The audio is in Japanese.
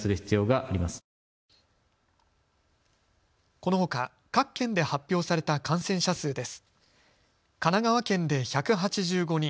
このほか各県で発表された感染者数です。